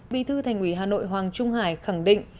bí thư thành ủy hà nội hoàng trung hải khẳng định